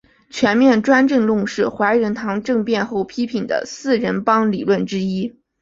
全面专政论是怀仁堂政变后批判的四人帮理论之一。